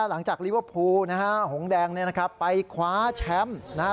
หลังจากลิเวอร์ฟูล์นะฮะหงษ์แดงไปคว้าแชมป์นะฮะ